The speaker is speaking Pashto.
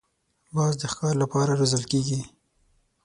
باز د ښکار له پاره روزل کېږي